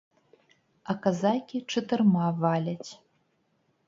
А казакі чатырма валяць.